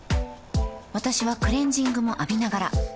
私はクレジングも浴びながら